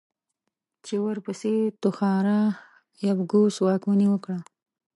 چې ورپسې توخارا يبگوس واکمني وکړه.